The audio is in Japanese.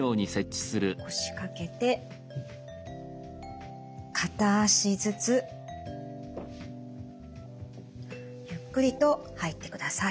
腰掛けて片脚ずつゆっくりと入ってください。